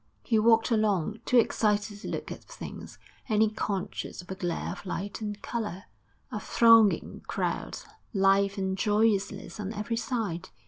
He walked along, too excited to look at things, only conscious of a glare of light and colour, a thronging crowd, life and joyousness on every side....